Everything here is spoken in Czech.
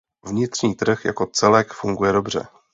Vnitřní trh jako celek funguje dobře.